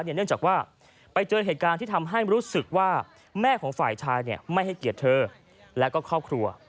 เนื่องจากว่าไปเจอเหตุการณ์ที่ทำให้รู้สึกว่าแม่ของฝ่ายชายไม่ให้เกียรติเธอและก็ครอบครัว